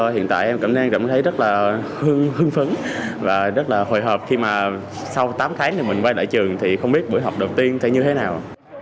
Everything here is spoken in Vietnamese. hiện tại em cảm thấy cảm thấy rất là hưng phấn và rất là hồi hộp khi mà sau tám tháng thì mình quay lại trường thì không biết buổi học đầu tiên sẽ như thế nào